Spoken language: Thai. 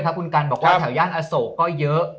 ถักคุณกัลเท่ายานอโศกก็เยอะ